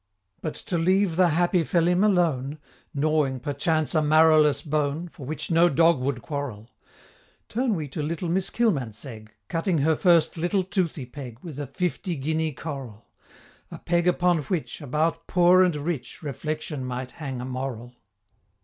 But to leave the happy Phelim alone, Gnawing, perchance, a marrowless bone, For which no dog would quarrel Turn we to little Miss Kilmansegg, Cutting her first little toothy peg With a fifty guinea coral A peg upon which About poor and rich Reflection might hang a moral.